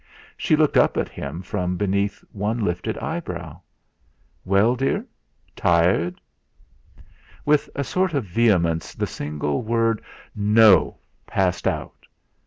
She looked up at him from beneath one lifted eyebrow. "Well, dear tired?" With a sort of vehemence the single word "No" passed out.